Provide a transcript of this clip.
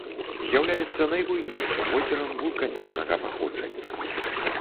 З'яўляецца найбуйнейшым возерам вулканічнага паходжання.